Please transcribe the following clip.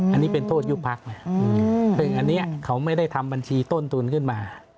อันนี้เป็นโทษยุบพักนะซึ่งอันนี้เขาไม่ได้ทำบัญชีต้นทุนขึ้นมา